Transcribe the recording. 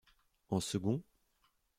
En second.